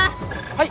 はい！